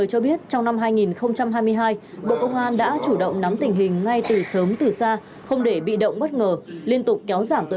thì trước nhất là phải giảm số lượng người đi tù